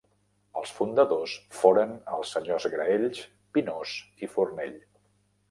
Els fundadors foren els senyors Graells, Pinós i Fornell.